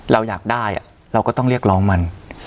เราอยากได้เราก็ต้องเรียกร้องมัน